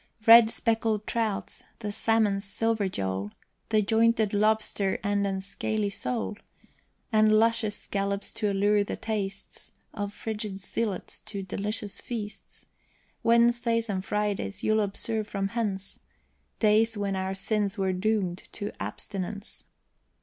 Red speckled trouts, the salmon's silver jole, The jointed lobster and unscaly sole, And luscious scallops to allure the tastes Of rigid zealots to delicious feasts; Wednesdays and Fridays, you'll observe from hence, Days when our sins were doomed to abstinence.